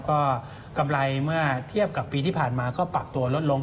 ก็กำไรเมื่อเทียบกับปีที่ผ่านมาก็ปรับตัวลดลง